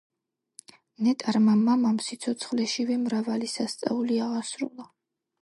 ნეტარმა მამამ სიცოცხლეშივე მრავალი სასწაული აღასრულა.